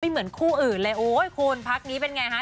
เหมือนคู่อื่นเลยโอ้ยคุณพักนี้เป็นไงฮะ